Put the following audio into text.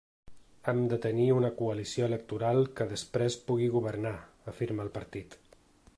Hem de tenir una coalició electoral que després pugui governar, afirma el partit.